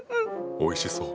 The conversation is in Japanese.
おいしそう。